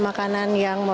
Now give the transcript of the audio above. makanan yang terkenal